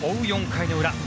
４回の裏。